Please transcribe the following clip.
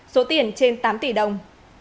số tiền trên tám tỷ đồng